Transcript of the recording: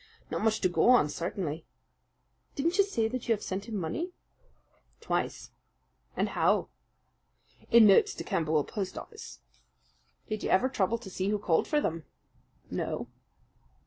Not much to go on, certainly. Didn't you say that you have sent him money?" "Twice." "And how?" "In notes to Camberwell post office." "Did you ever trouble to see who called for them?" "No."